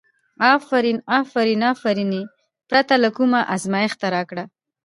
افرین افرین، افرین یې پرته له کوم ازمېښته راکړه.